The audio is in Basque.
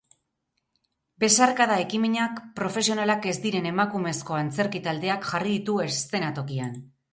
Besarkada ekimenak profesionalak ez diren emakumezko antzerki taldeak jarri ditu eszenatokian.